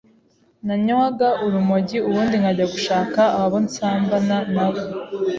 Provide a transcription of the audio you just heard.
nanywaga urumogi ubundi nkajya gushaka abo nsambana na bo,